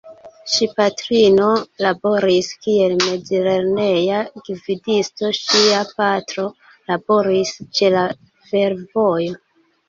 Ŝi patrino laboris kiel mezlerneja gvidisto, ŝia patro laboris ĉe la fervojo.